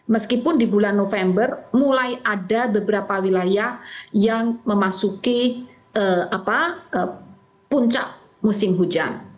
meskipun di bulan november mulai ada beberapa wilayah yang memasuki puncak musim hujan